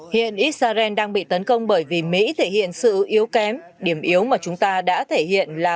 hiện israel đang bị tấn công bởi vì mỹ thể hiện sự yếu kém điểm yếu mà chúng ta đã thể hiện là